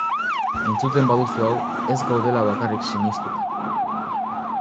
Entzuten baduzu hau, ez gaudela bakarrik sinistuta.